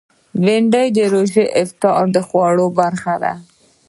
بېنډۍ د روژې افطار خوړلو برخه وي